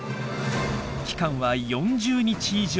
期間は４０日以上。